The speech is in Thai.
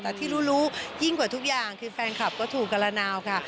แต่ที่รู้รู้ยิ่งกว่าทุกอย่างคือแฟนคลับก็ถูกกระนาวค่ะ